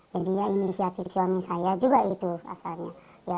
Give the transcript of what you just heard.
jadi ya inisiatif suami saya juga itu asalnya